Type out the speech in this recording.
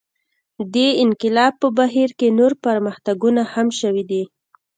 دې انقلاب په بهیر کې نور پرمختګونه هم شوي دي.